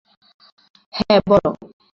হ্যাঁ, বলো।